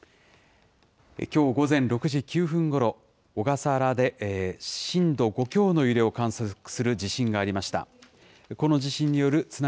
きょう午前６時９分ごろ、小笠原で震度５強の揺れを観測する地震がありました。